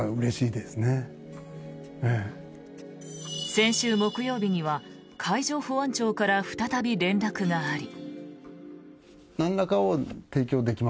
先週木曜日には海上保安庁から再び連絡があり。